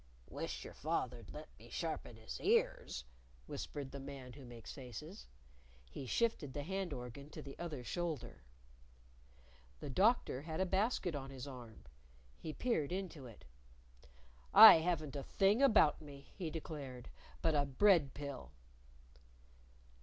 "Wish your father'd let me sharpen his ears," whispered the Man Who Makes Faces. He shifted the hand organ to the other shoulder. The Doctor had a basket on his arm. He peered into it. "I haven't a thing about me," he declared, "but a bread pill."